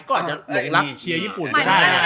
ก็อาจจะหลงรักเชียร์ญี่ปุ่นก็ได้นะ